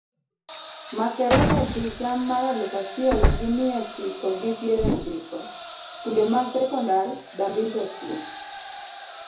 Makerere higa maraluf achiel gimiya chiko gi \piero chiko. Skunde mag sekondar, Dambiza School.